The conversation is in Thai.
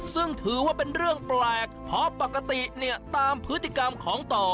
ซึ่งถือว่าเป็นเรื่องแปลกเพราะปกติเนี่ยตามพฤติกรรมของต่อ